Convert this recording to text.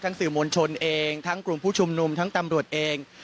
สื่อมวลชนเองทั้งกลุ่มผู้ชุมนุมทั้งตำรวจเอง